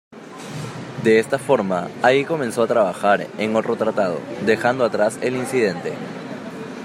De esta forma, Hay comenzó a trabajar en otro tratado, dejando atrás el incidente.